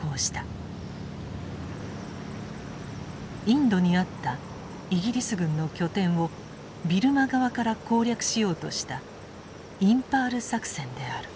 インドにあったイギリス軍の拠点をビルマ側から攻略しようとしたインパール作戦である。